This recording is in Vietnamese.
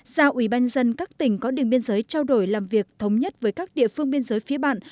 giao ủy ban dân các tỉnh có đường biên giới trao đổi làm việc thống nhất với các địa phương biên giới phía bạn